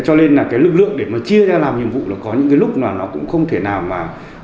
cho nên là cái lực lượng để mà chia ra làm nhiệm vụ là có những cái lúc mà nó cũng không thể nào mà